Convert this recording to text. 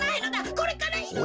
これからいろいろ。